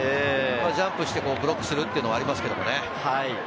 ジャンプしてブロックするっていうのはありますけどね。